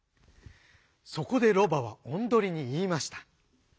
そこでロバはオンドリにいいました。